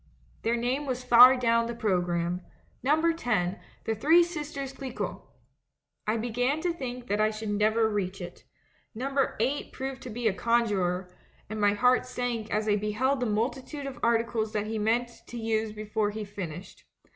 "Their name was far down the programme: 'Number 10: The Three Sisters Chcquot.' I be gan to think that we should never reach it. Num ber 8 proved to be a conjurer, and my heart sank as I beheld the multitude of articles that he meant to use before he finished.